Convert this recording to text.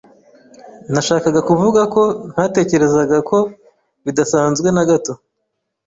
Nashakaga kuvuga ko ntatekerezaga ko bidasanzwe na gato.